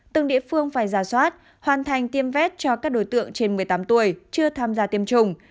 từng địa phương phải ra soát hoàn thành tiêm vét cho các đối tượng trên một mươi tám tuổi chưa tham gia tiêm chủng